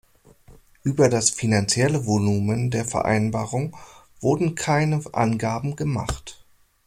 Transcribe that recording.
Über das finanzielle Volumen der Vereinbarung wurden keine Angaben gemacht.